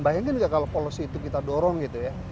bayangin nggak kalau policy itu kita dorong gitu ya